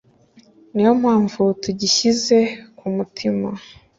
niyo mpamvu tugishyize ku mutima